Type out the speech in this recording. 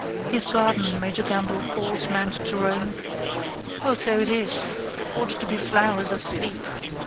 His garden Major Gamble calls Mount Jerome. Well, so it is. Ought to be flowers of sleep.